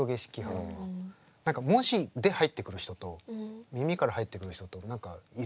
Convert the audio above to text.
何か文字で入ってくる人と耳から入ってくる人といるみたいで。